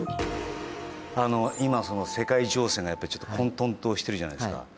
今、世界情勢が混とんとしているじゃないですか。